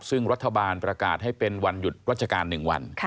ซึ่งรัฐบาลประกาศให้เป็นวันหยุดราชการ๑วัน